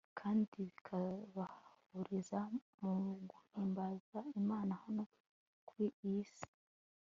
kandi bikabahuriza mu guhimbaza imana hano kuri iyi si